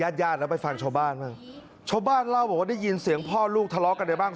ญาติญาติแล้วไปฟังชาวบ้านบ้างชาวบ้านเล่าบอกว่าได้ยินเสียงพ่อลูกทะเลาะกันได้บ้าง